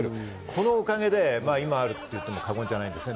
このおかげで今があると言っても、過言じゃないです。